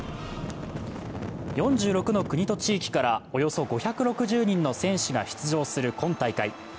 ４６の国と地域からおよそ５６０人の選手が出場する今大会。